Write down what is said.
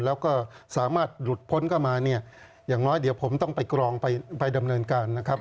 แล้วก็สามารถหลุดพ้นเข้ามาเนี่ยอย่างน้อยเดี๋ยวผมต้องไปกรองไปดำเนินการนะครับ